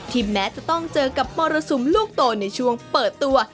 แม้จะต้องเจอกับมรสุมลูกโตในช่วงเปิดตัว